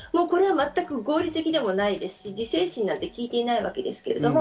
これは全く合理的でもないですし、自制心がきいていないわけです。